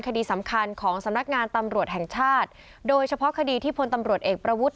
คดีสำคัญของสำนักงานตำรวจแห่งชาติโดยเฉพาะคดีที่พลตำรวจเอกประวุฒิ